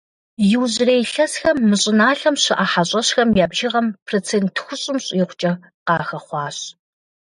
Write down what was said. Иужьрей илъэсхэм мы щӀыналъэм щыӀэ хьэщӀэщхэм я бжыгъэм процент тхущӏым щӀигъукӀэ къахэхъуащ.